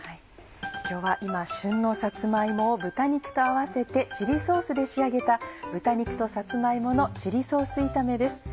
今日は今旬のさつま芋を豚肉と合わせてチリソースで仕上げた「豚肉とさつま芋のチリソース炒め」です。